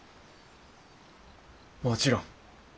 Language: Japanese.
もちろん。